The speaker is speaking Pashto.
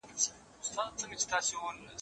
د هر قوم له داستانو څخه خبر وو